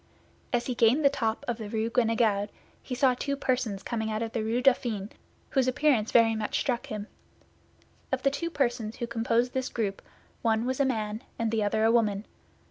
As he gained the top of the Rue Guénegaud, he saw two persons coming out of the Rue Dauphine whose appearance very much struck him. Of the two persons who composed this group, one was a man and the other a woman.